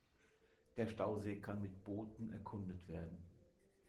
Der Stausee kann mit Booten erkundet werden.